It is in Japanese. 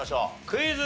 クイズ。